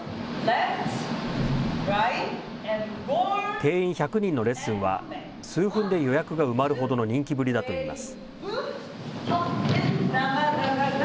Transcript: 定員１００人のレッスンは、数分で予約が埋まるほどの人気ぶりだといいます。